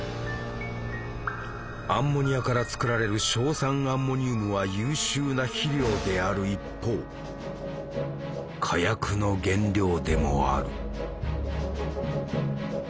アンモニアから作られる硝酸アンモニウムは優秀な肥料である一方火薬の原料でもある。